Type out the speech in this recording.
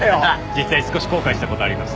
実際少し後悔した事あります。